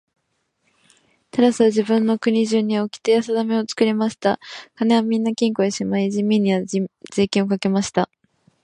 タラスは自分の国中におきてやさだめを作りました。金はみんな金庫へしまい、人民には税金をかけました。